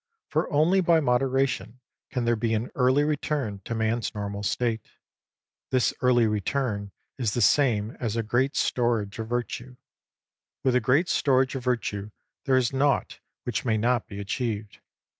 For only by modera tion can there be an early return to man's normal state. This early return is the same as a great storage of Virtue. With a great storage of Virtue there is naught which may not be achieved.